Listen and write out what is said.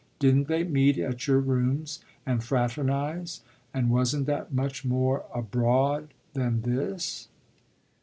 Didn't they meet at your rooms and fraternise, and wasn't that much more 'abroad' than this?"